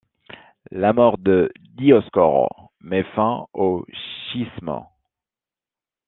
La mort de Dioscore met fin au schisme.